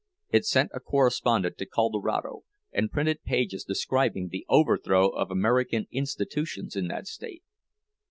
It sent a correspondent to Colorado, and printed pages describing the overthrow of American institutions in that state.